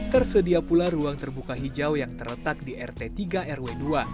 tersedia pula ruang terbuka hijau yang terletak di rt tiga rw dua